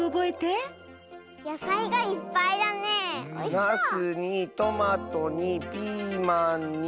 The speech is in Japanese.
ナスにトマトにピーマンに。